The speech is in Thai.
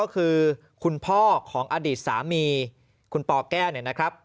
คือคุณพ่อของอดีตสามีคุณปแก้วเนี่ยนะครับ